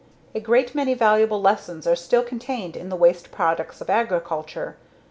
A great many valuable lessons are still contained in _The Waste Products of Agriculture.